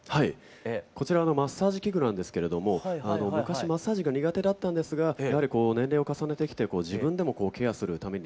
こちらマッサージ器具なんですけれども昔マッサージが苦手だったんですがやはり年齢を重ねてきて自分でもケアするためにですね。